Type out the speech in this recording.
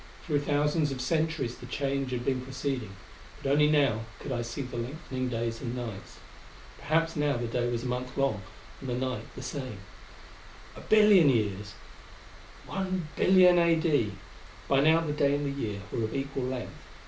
Through thousands of centuries the change had been proceeding, but only now could I see the lengthening days and nights. Perhaps now the day was a month long, and the night the same. A billion years! 1,000,000,000 A.D.! By now the day and the year were of equal length.